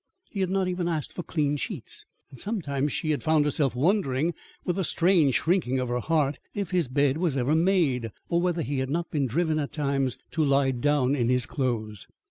He had not even asked for clean sheets, and sometimes she had found herself wondering, with a strange shrinking of her heart, if his bed was ever made, or whether he had not been driven at times to lie down in his clothes.